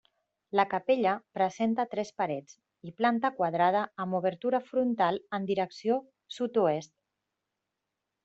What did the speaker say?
La capella presenta tres parets i planta quadrada amb obertura frontal en direcció sud-oest.